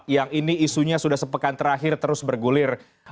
yang ini isunya sudah sepekan terakhir terus bergulir